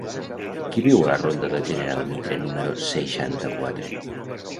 Qui viu a la ronda del General Mitre número seixanta-quatre?